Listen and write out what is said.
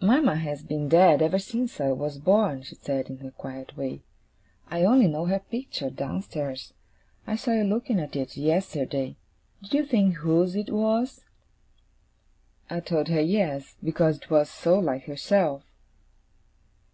'Mama has been dead ever since I was born,' she said, in her quiet way. 'I only know her picture, downstairs. I saw you looking at it yesterday. Did you think whose it was?' I told her yes, because it was so like herself.